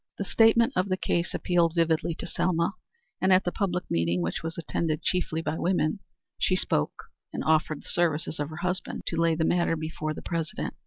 The statement of the case appealed vividly to Selma, and at the public meeting, which was attended chiefly by women, she spoke, and offered the services of her husband to lay the matter before the President.